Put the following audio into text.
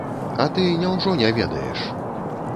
А ты няўжо не ведаеш?